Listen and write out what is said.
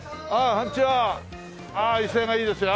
ああ威勢がいいですよ。